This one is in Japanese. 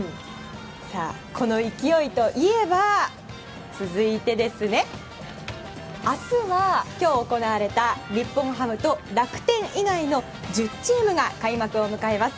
この勢いといえば続いてですね明日は今日行われた日本ハムと楽天以外の１０チームが開幕を迎えます。